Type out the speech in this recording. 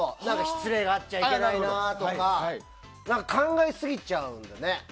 失礼があっちゃいけないなとか考えすぎちゃうのね。